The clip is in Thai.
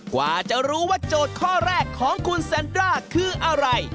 กว่าจะรู้ว่าโจทย์ข้อแรกของคุณแซนด้าคืออะไร